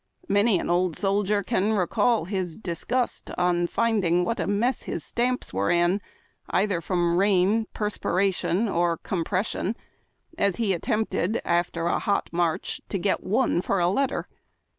Many an old soldier can recall his disgust on finding what a mess his stamps were in either from rain, perspiration, or compression, as he attempted, after a hot march, to get one for a letter.